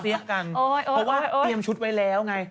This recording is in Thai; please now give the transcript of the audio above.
เสี้ยะกันเพราะว่าเตรียมชุดไว้แล้วไง